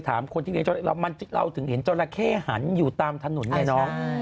ที่เราถึงเห็นจอละเข้หันอยู่ตามถนนเนี่ยน้อง